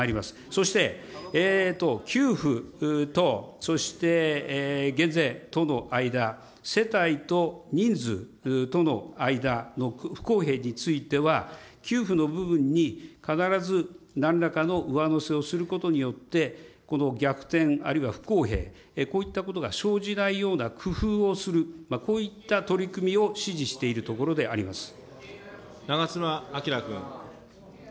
そして、給付とそして減税との間、世帯と人数との間の不公平については、給付の部分に必ず何らかの上乗せをすることによって、この逆転、あるいは不公平、こういったことが生じないような工夫をする、こういった取り組み長妻昭君。